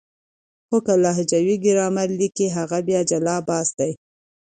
خو که لهجوي ګرامر ليکي هغه بیا جلا بحث دی.